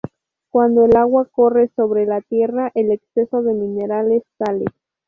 Cuando el agua corre sobre la tierra, el exceso de minerales sale.